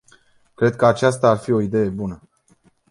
Cred că aceasta ar fi o idee bună.